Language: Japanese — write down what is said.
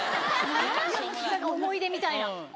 ⁉思い出みたいな。